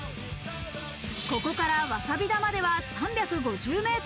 ここからワサビ田までは３５０ｍ。